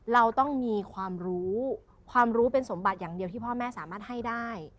เราต้องมีความรู้ความรู้เป็นสมบัติอย่างเดียวที่พ่อแม่สามารถให้ได้